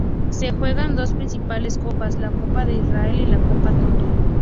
Se juegan dos principales copas, la Copa de Israel y la Copa Toto.